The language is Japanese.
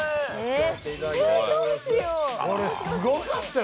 これすごかったよ